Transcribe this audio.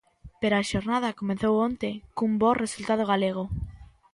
Pero a xornada comezou onte cun bo resultado galego.